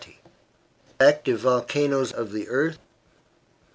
The Active Volcanoes of the Earth.